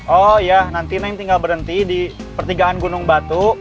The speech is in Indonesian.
oh ya nanti neng tinggal berhenti di pertigaan gunung batu